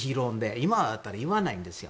今だったら言わないんですよ。